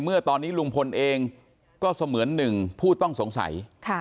เมื่อตอนนี้ลุงพลเองก็เสมือนหนึ่งผู้ต้องสงสัย